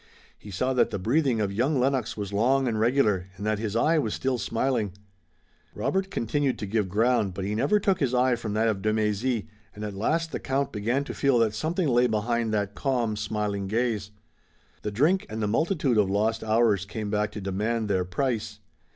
He saw that the breathing of young Lennox was long and regular, and that his eye was still smiling. Robert continued to give ground, but he never took his eye from that of de Mézy, and at last the count began to feel that something lay behind that calm, smiling gaze. The drink and the multitude of lost hours came back to demand their price.